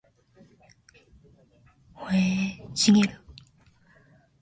保栄茂